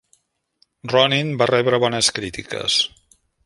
"Ronin" va rebre bones crítiques.